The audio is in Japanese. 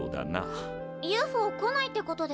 ＵＦＯ来ないってことですか？